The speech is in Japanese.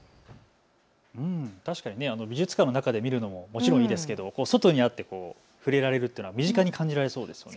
確かに美術館の中で見るのももちろんいいですけれど外にあって触れられる、身近に感じられそうですよね。